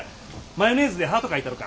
マヨネーズでハート描いたろか？